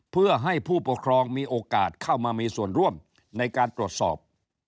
เพื่อให้ผู้ปกครองมีโอกาสเข้ามามีส่วนร่วมในการตรวจสอบ